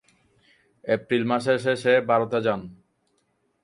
April মাসের শেষে ভারতে যান।